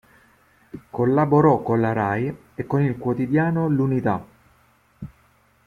Collaborò con la Rai e con il quotidiano “l'Unità”.